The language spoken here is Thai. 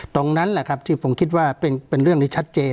ตรงนั้นแหละครับที่ผมคิดว่าเป็นเรื่องที่ชัดเจน